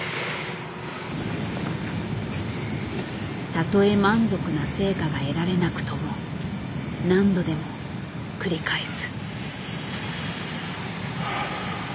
たとえ満足な成果が得られなくとも何度でも繰り返す。